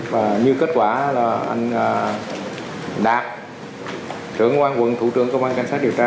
và như kết quả là anh đạp trưởng quân quận thủ trưởng công an cảnh sát điều tra